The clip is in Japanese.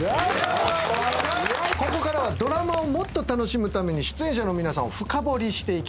ここからはドラマをもっと楽しむために出演者の皆さんを深掘りしていきましょう。